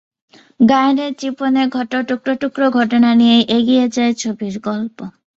গায়েনের জীবনে ঘটা টুকরো টুকরো ঘটনা নিয়েই এগিয়ে যায় ছবির গল্প।